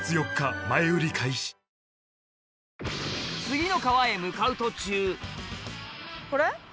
次の川へ向かう途中これ？